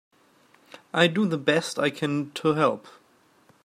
I do the best I can to help.